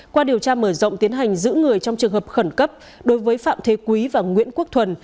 qua điều tra mở rộng tiến hành giữ người trong trường hợp khẩn cấp đối với phạm thế quý và nguyễn quốc thuần